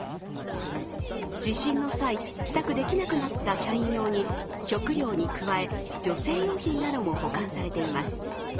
地震の際、帰宅できなくなった社員用に食料に加え女性用品なども保管されています。